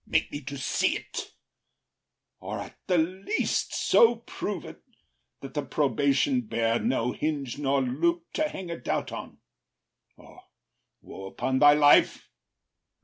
OTHELLO. Make me to see’t, or at the least so prove it, That the probation bear no hinge nor loop To hang a doubt on, or woe upon thy life!